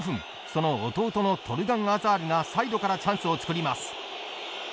その弟のトルガン・アザールがサイドからチャンスを作ります。